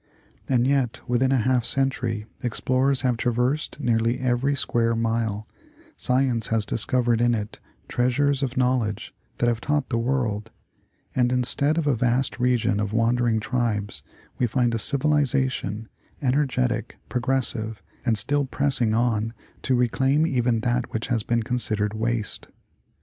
And yet within half a century ex plorers have traversed nearly eveiy square mile, science has dis covered in it treasures of knowledge that have taught the world : and instead of a vast region of wandering tribes, we find a civili zation, energetic, progressive, and still pressing on to reclaim even that which has been considered waste.